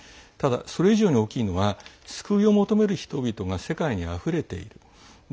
ただ、それ以上に大きいのは救いを求める人々が世界にあふれている。